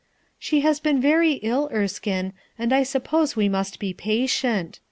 "She has been very ill, Erskine, and I suppose we must be patient.